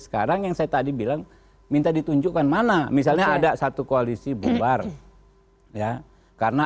sekarang yang saya tadi bilang minta ditunjukkan mana misalnya ada satu koalisi bubar ya karena